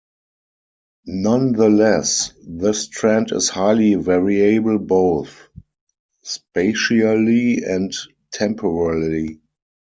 Nonetheless, this trend is highly variable both spatially and temporally.